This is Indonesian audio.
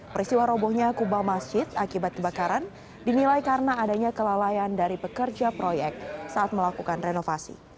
peristiwa robohnya kubah masjid akibat kebakaran dinilai karena adanya kelalaian dari pekerja proyek saat melakukan renovasi